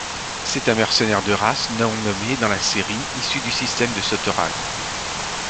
C'est un mercenaire de race non-nommée dans la série, issu du système de Sotoragg.